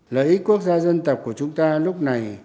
lợi ích quốc gia dân tộc của chúng ta lúc này